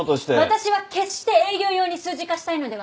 私は決して営業用に数字化したいのではありません。